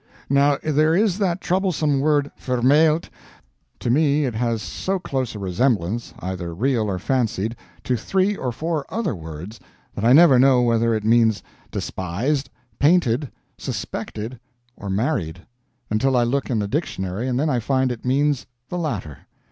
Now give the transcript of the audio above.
Now there is that troublesome word VERMÄHLT: to me it has so close a resemblance either real or fancied to three or four other words, that I never know whether it means despised, painted, suspected, or married; until I look in the dictionary, and then I find it means the latter.